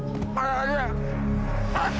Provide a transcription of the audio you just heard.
あっ！